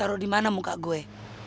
taruh di mana muka gue